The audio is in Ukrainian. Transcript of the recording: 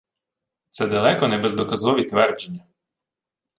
Це далеко не бездоказові твердження